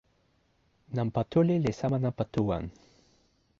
nanpa tuli li sama nanpa tu wan.